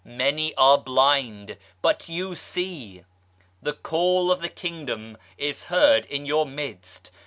Many are blind, but you see ! The call of the Kingdom is heard in your midst.